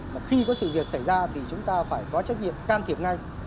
mà khi có sự việc xảy ra thì chúng ta phải có trách nhiệm can thiệp ngay